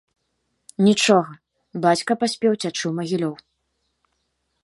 Нічога, бацька паспеў уцячы ў Магілёў.